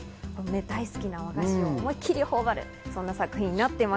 大好きな和菓子を思いっきり頬張る、そんな作品です。